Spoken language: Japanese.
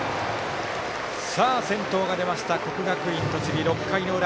先頭が出ました、国学院栃木６回の裏。